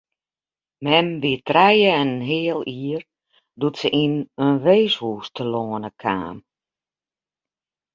Mem wie trije en in heal jier doe't se yn in weeshûs telâne kaam.